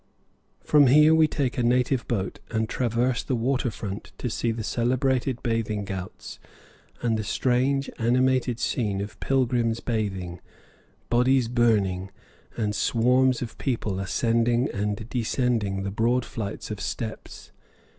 From here we take a native boat and traverse the water front to see the celebrated bathing ghauts and the strange, animated scene of pilgrims bathing, bodies burning, and swarms of people ascending and descending the broad flights of steps.